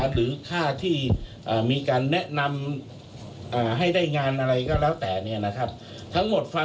หรือค่าที่มีการแนะนำให้ได้งานอะไรทั้งหมด